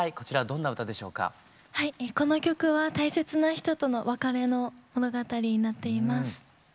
この曲は大切な人との別れの物語になっています。